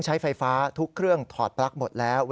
ใช่เพราะว่าคนมาเห็นตอนมันเพลิงเยอะแล้ว